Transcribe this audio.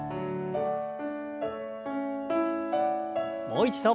もう一度。